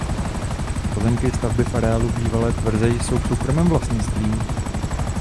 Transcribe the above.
Pozemky i stavby v areálu bývalé tvrze jsou v soukromém vlastnictví.